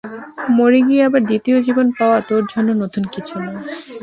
মরে গিয়ে আবার দ্বিতীয় জীবন পাওয়া তোর জন্য নতুন কিছু না।